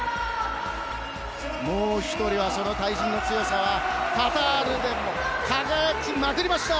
もう１人はその対人の強さはカタールでも輝きまくりました。